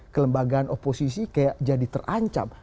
kelembagaan oposisi kayak jadi terancam